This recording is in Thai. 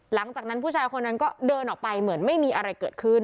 หลังจากนั้นผู้ชายคนนั้นก็เดินออกไปเหมือนไม่มีอะไรเกิดขึ้น